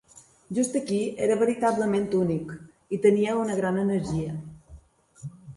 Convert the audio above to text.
Just aquí, era veritablement únic. I tenia una gran energia.